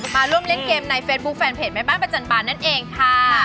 มาร่วมเล่นเกมในเฟซบุ๊คแฟนเพจแม่บ้านประจันบาลนั่นเองค่ะ